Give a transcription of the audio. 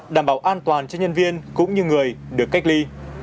đảm bảo an toàn cho nhân viên cũng như người được cách ly